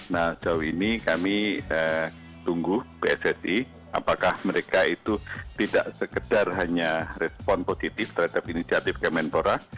nah sejauh ini kami tunggu pssi apakah mereka itu tidak sekedar hanya respon positif terhadap inisiatif kemenpora